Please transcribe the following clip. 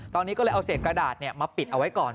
ตอนนี้ก็เลยเอาเศษกระดาษมาปิดเอาไว้ก่อน